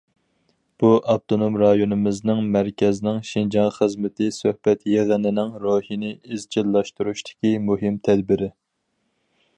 بۇ ئاپتونوم رايونىمىزنىڭ مەركەزنىڭ شىنجاڭ خىزمىتى سۆھبەت يىغىنىنىڭ روھىنى ئىزچىللاشتۇرۇشتىكى مۇھىم تەدبىرى.